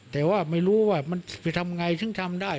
แต่ว่าไม่รู้ว่ามันไปทำไงถึงทำได้